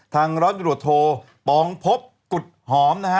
ทางร้อนบิโรโทปองพบกุฏหอมนะฮะ